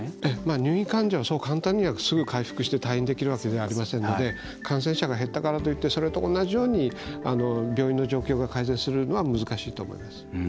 入院患者はすぐ回復して退院できるわけではありませんので感染者が減ったからといってそれと同じように病院の状況が改善するのは難しいと思います。